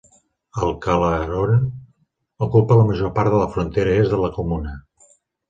El Chalaronne ocupa la major part de la frontera est de la comuna.